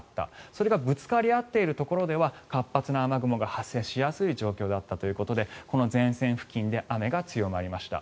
それがぶつかり合っているところでは活発な雨雲が発生しやすい状況だったということでこの前線付近で雨が強まりました。